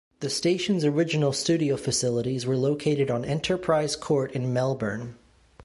The station's original studio facilities were located on Enterprise Court in Melbourne.